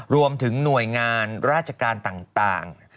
รวมถึงหน่วยงานราชการต่าง